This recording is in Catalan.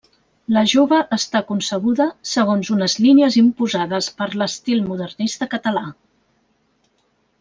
La jove està concebuda segons unes línies imposades per l'estil modernista català.